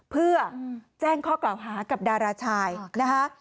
เพื่อแจ้งข้อกล่าวหากับดาราชายนะคะ